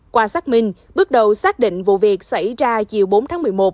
qua xác minh bước đầu xác định vụ việc xảy ra chiều bốn tháng một mươi một